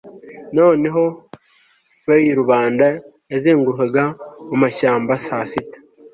Noneho fayrubanda yazengurukaga mumashyamba saa sita